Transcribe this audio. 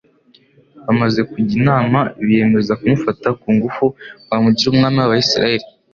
Bamaze kujya inama biyemeza kumufata ku ngufu ngo bamugire Umwami w'abisiraeli.